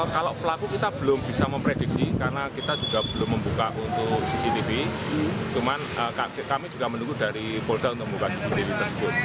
kalau pelaku kita belum bisa memprediksi karena kita juga belum membuka untuk cctv cuman kami juga menunggu dari polda untuk membuka cctv tersebut